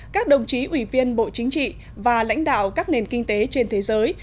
các đồng chí ủy viên bộ chính trị và lãnh đạo các nền kinh tế trên thế giới